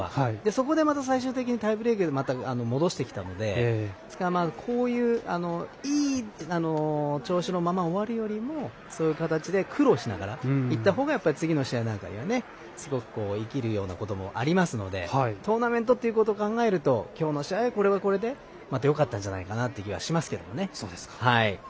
そこでまた最終的にタイブレークで戻してきたのでこういう、いい調子のまま終わるよりも、そういう形で苦労しながらいったほうが次の試合なんかには、すごく生きるようなこともありますのでトーナメントということを考えると今日の試合、これはこれでまたよかったんじゃないかなという気がしますけどね。